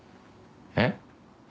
えっ？